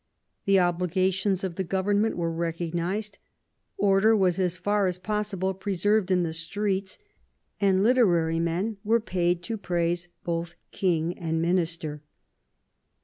The obligations of the government were recognised, order was as far as possible preserved in the streets, and literary men were paid to praise both king and minister.